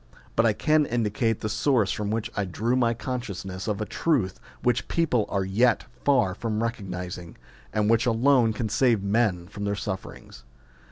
But I can indicate the source from which I drew my consciousness of a truth which people are yet far from recog nising, and which alone can save men from their sufferings.